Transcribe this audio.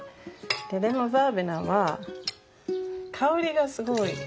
でレモンバーベナは香りがすごい。